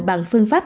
bằng phương pháp